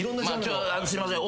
すいません。